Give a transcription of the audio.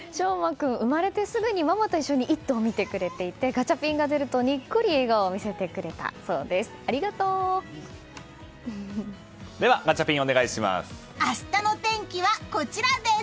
君、生まれてすぐにママと一緒に「イット！」を見てくれていてガチャピンが出るとニッコリ笑顔を見せてくれたそうです。